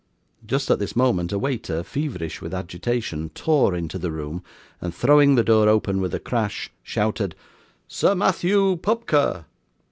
Just at this moment, a waiter, feverish with agitation, tore into the room, and throwing the door open with a crash, shouted 'Sir Matthew Pupker!